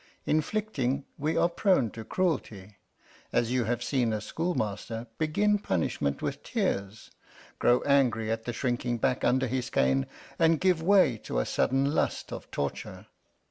Inflicting, we are prone to cruelty, as you have seen a schoolmaster begin punishment with tears, grow angry at the shrinking back under his cane, and give way to a sudden lust of torture.